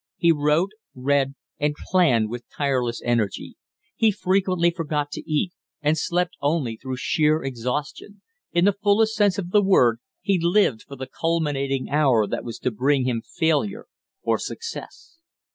He wrote, read, and planned with tireless energy; he frequently forgot to eat, and slept only through sheer exhaustion; in the fullest sense of the word he lived for the culminating hour that was to bring him failure or success.